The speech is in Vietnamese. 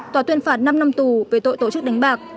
tòa tuyên phạt năm năm tù về tội tổ chức đánh bạc